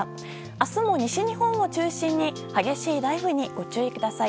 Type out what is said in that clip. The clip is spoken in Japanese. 明日も西日本を中心に激しい雷雨にご注意ください。